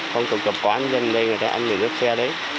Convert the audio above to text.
không tổng cập quán người dân ở đây ăn để lướt xe đấy